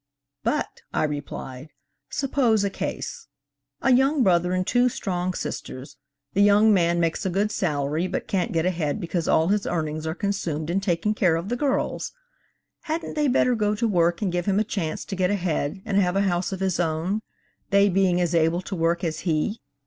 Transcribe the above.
'But,' I replied, 'suppose a case: A young brother and two strong sisters; the young man makes a good salary but can't get ahead because all his earnings are consumed in taking care of the girls. Hadn't they better go to work and give him a chance to get ahead and have a house of his own, they being as able to work as he?